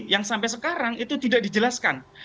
yang sampai sekarang itu tidak dijelaskan